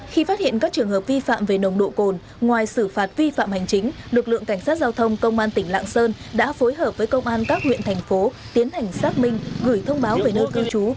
khi phát hiện các trường hợp vi phạm về nồng độ cồn ngoài xử phạt vi phạm hành chính lực lượng cảnh sát giao thông công an tỉnh lạng sơn đã phối hợp với công an các huyện thành phố tiến hành xác minh gửi thông báo về nơi cư trú